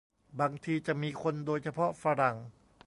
บางทีจะมีคน โดยเฉพาะฝรั่ง